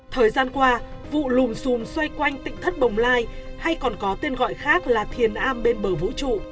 thời gian qua vụ lùm xùm xoay quanh tỉnh thất bồng lai hay còn có tên gọi khác là thiền a bên bờ vũ trụ